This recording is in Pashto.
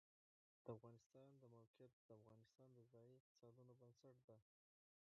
د افغانستان د موقعیت د افغانستان د ځایي اقتصادونو بنسټ دی.